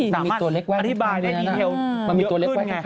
สามารถอธิบายได้ดีเทียวเยอะขึ้นไง